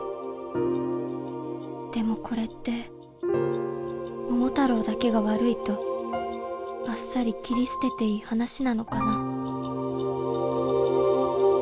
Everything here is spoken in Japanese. でもこれって桃太郎だけが悪いとばっさり切り捨てていい話なのかな。